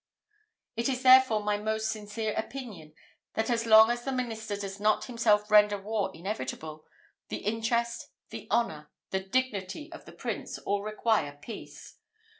It is therefore my most sincere opinion, that as long as the minister does not himself render war inevitable, the interest, the honour, the dignity of the Prince, all require peace.